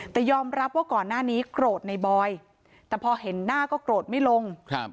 แต่ยอมรับว่าก่อนหน้านี้โกรธในบอยแต่พอเห็นหน้าก็โกรธไม่ลง